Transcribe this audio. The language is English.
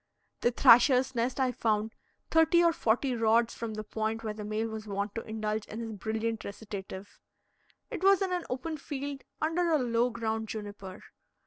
The thrasher's nest I found thirty or forty rods from the point where the male was wont to indulge in his brilliant recitative. It was in an open field under a low ground juniper.